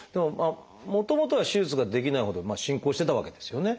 もともとは手術ができないほど進行してたわけですよね。